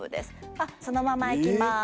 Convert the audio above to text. そのままいきまーす。